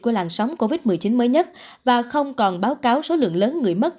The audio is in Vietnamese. của làn sóng covid một mươi chín mới nhất và không còn báo cáo số lượng lớn người mất